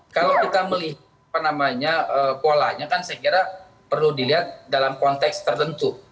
kalau kita melihat polanya kan saya kira perlu dilihat dalam konteks tertentu